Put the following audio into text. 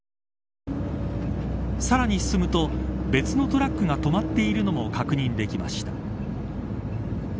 さらに進むと別のトラックが止まっているのも確認できました。